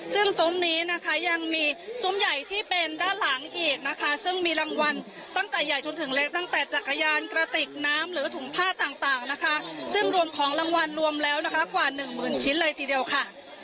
ซึ่งซุ้มนี้นะคะยังมีซุ้มใหญ่ที่เป็นด้านหลังอีกนะคะซึ่งมีรางวัลตั้งแต่ใหญ่จนถึงเล็กตั้งแต่จักรยานกระติกน้ำหรือถุงผ้าต่างนะคะซึ่งรวมของรางวัลรวมแล้วนะคะกว่าหนึ่งหมื่นชิ้นเลยทีเดียวค่ะ